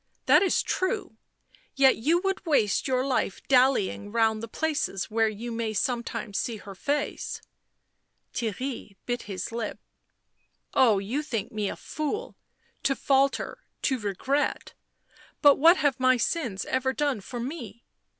" That is true. Yet you would waste your life dallying round the places where you may sometimes see her face." Theirry bit his lip. " Oh, you think me a fool — to falter, to regret; — but what have my sins ever done for me